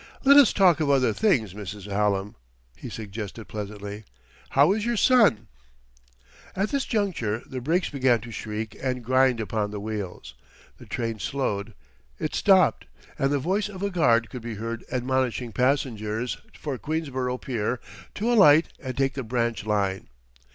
"Let us talk of other things, Mrs. Hallam," he suggested pleasantly. "How is your son?" At this juncture the brakes began to shriek and grind upon the wheels. The train slowed; it stopped; and the voice of a guard could be heard admonishing passengers for Queensborough Pier to alight and take the branch line.